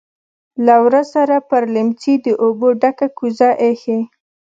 لهٔ ورهٔ سره پر لیمڅي د اوبو ډکه کوزه ایښې.